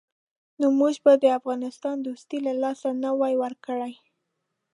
نو موږ به د افغانستان دوستي له لاسه نه وای ورکړې.